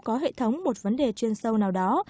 có hệ thống một vấn đề chuyên sâu nào đó